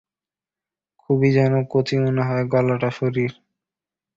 খুবই যেন কচি মনে হয় গলাটা শশীর।